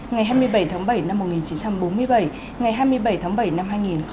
ngày hai mươi bảy tháng bảy năm một nghìn chín trăm bốn mươi bảy ngày hai mươi bảy tháng bảy năm hai nghìn một mươi chín